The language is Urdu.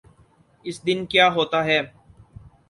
اس دن کیا ہوتاہے۔